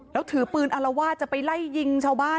แล้วถือปืนอารวาสจะไปไล่ยิงชาวบ้าน